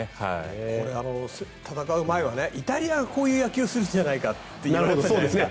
これ、戦う前はイタリアがこういう野球をするんじゃないかといわれてたじゃないですか